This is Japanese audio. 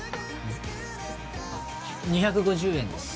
２５０円です